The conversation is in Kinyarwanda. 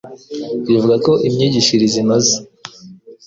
rivuga ko imyigishirize inoze